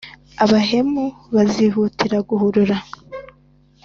abahemu bazihutira guhurura